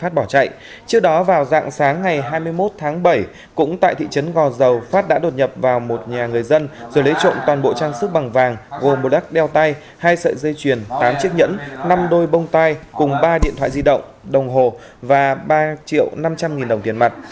hai mươi một tháng bảy cũng tại thị trấn go dầu phát đã đột nhập vào một nhà người dân rồi lấy trộn toàn bộ trang sức bằng vàng gồm một đắc đeo tay hai sợi dây chuyền tám chiếc nhẫn năm đôi bông tay cùng ba điện thoại di động đồng hồ và ba triệu năm trăm linh nghìn đồng tiền mặt